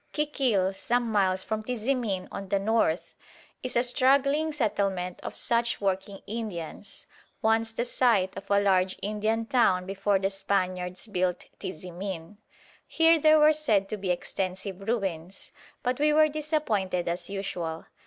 Kikil, some miles from Tizimin on the north, is a straggling settlement of such working Indians, once the site of a large Indian town before the Spaniards built Tizimin. Here there were said to be extensive ruins, but we were disappointed as usual.